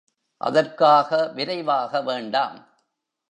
அதற்காக விரைவாக வேண்டாம்.